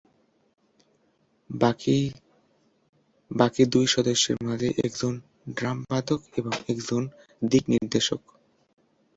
বাকি দুই সদস্যের মাঝে একজন ড্রাম বাদক এবং একজন দিক নির্দেশক।